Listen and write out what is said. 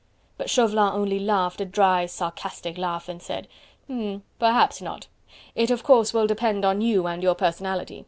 But Chauvelin only laughed a dry, sarcastic laugh and said: "Hm! perhaps not!... It of course will depend on you and your personality...